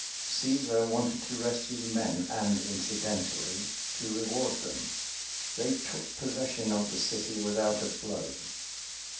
Cæsar wanted to rest his men and, incidentally, to reward them. They took possession of the city without a blow.